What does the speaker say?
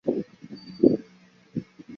密毛岩蕨为岩蕨科岩蕨属下的一个种。